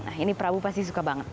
nah ini prabu pasti suka banget